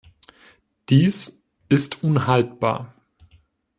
Dies ist unhaltbar.